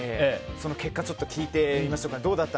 その結果を聞いてみましょう。